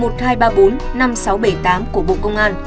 của bộ công an